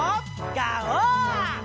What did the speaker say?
ガオー！